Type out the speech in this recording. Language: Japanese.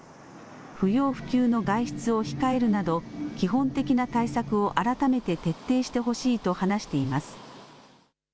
不要不急の外出を控えるなど、基本的な対策を改めて徹底してほしいと話しています。